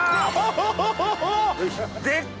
でっか！